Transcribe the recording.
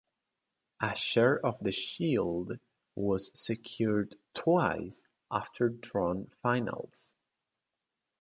A share of the shield was secured twice after drawn finals.